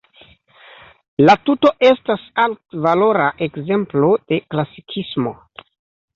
La tuto estas altvalora ekzemplo de klasikismo.